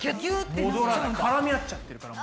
絡み合っちゃってるから。